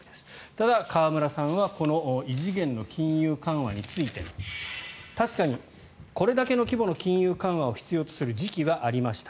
ただ、河村さんはこの異次元の金融緩和について確かにこれだけの規模の金融緩和を必要とする時期はありました。